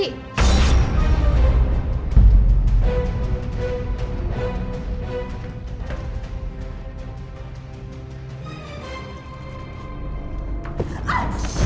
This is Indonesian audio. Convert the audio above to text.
apa yang kamu lakukan